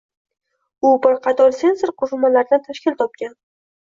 U bir qator sensor qurilmalardan tashkil topgan.